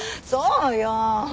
そうよ！